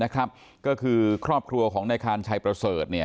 ก็เลยยิงสวนไปแล้วถูกเจ้าหน้าที่เสียชีวิต